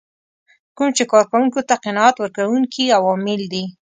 کوم چې کار کوونکو ته قناعت ورکوونکي عوامل دي.